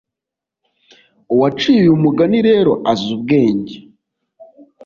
Uwaciye uyu mugani rero azi ubwenge